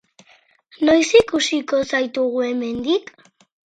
Noiz ikusiko zaitugu hemendik?